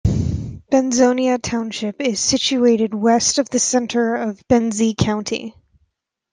Benzonia Township is situated west of the center of Benzie County.